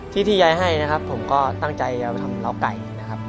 ที่ที่ยายให้นะครับผมก็ตั้งใจจะไปทำเล้าไก่นะครับ